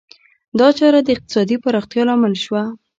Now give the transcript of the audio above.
دا چاره د اقتصادي پراختیا لامل شوه.